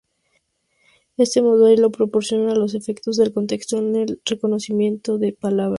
Este modelo proporciona los efecto del contexto en el reconocimiento de palabras.